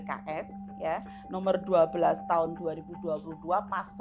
yang pertama adalah yang dipakai oleh tppks